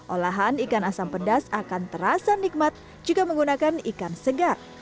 olahan ikan asam pedas akan terasa nikmat jika menggunakan ikan segar